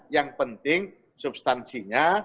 yang penting substansinya